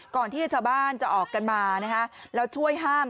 ก่อนที่อาจารย์บ้านจะออกกันมานะคะแล้วช่วยห้าม